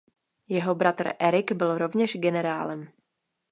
Jeho bratr Erich byl rovněž generálem.